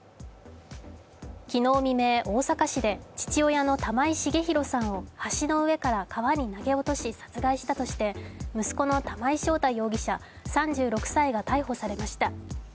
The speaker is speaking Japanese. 昨日未明、大阪市で父親の玉井重弘さんを橋の上から川に投げ落とし殺害したとして息子の玉井将太容疑者３６歳が逮捕されました。